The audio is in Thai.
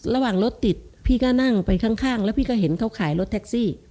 ระหว่างรถติดพี่ก็นั่งไปข้างแล้วพี่ก็เห็นเขาขายรถแท็กซี่